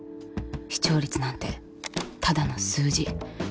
視聴率なんてただの数字。